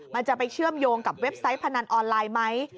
มันจะไปเชื่อมโยงกับเว็บไซต์พนันออนไลน์ไหม